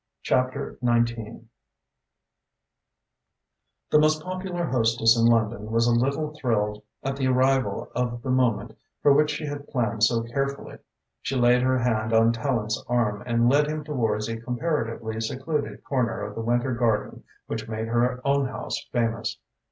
CHAPTER V The most popular hostess in London was a little thrilled at the arrival of the moment for which she had planned so carefully. She laid her hand on Tallente's arm and led him towards a comparatively secluded corner of the winter garden which made her own house famous.